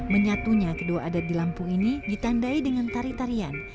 menyatunya kedua adat di lampung ini ditandai dengan tari tarian